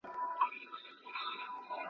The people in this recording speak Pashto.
کار د ځان نظم ته اړتیا لري.